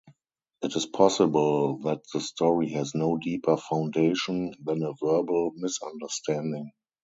It is possible that the story has no deeper foundation than a verbal misunderstanding.